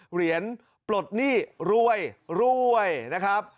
เหรียญปลดหนี้รวยรวยนะครับ